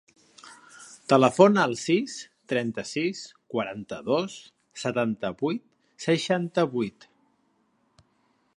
Telefona al sis, trenta-sis, quaranta-dos, setanta-vuit, seixanta-vuit.